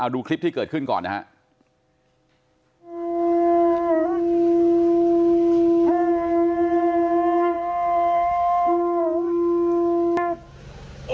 ดูคลิปที่เกิดขึ้นก่อนนะครับ